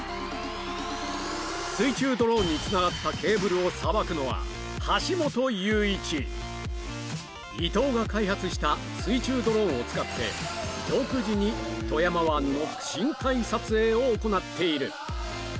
水中ドローンにつながったケーブルをさばくのは橋本勇一伊藤が開発した水中ドローンを使って独自に富山湾の深海撮影を行っている！